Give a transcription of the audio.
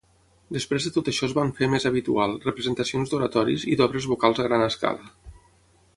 Després de tot això es van fer més habitual. representacions d'oratoris i d'obres vocals a gran escala.